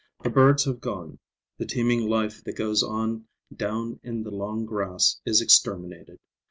The birds have gone. The teeming life that goes on down in the long grass is exterminated.